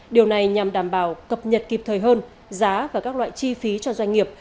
điều này nhằm đảm bảo cập nhật kịp thời hơn giá và các loại chi phí cho doanh nghiệp